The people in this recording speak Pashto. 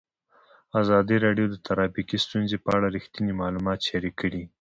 ازادي راډیو د ټرافیکي ستونزې په اړه رښتیني معلومات شریک کړي.